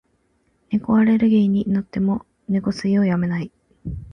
猫アレルギーになっても、猫吸いをやめない。